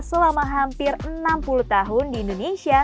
selama hampir enam puluh tahun di indonesia